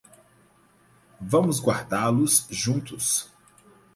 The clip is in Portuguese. Vamos guardá-los juntos.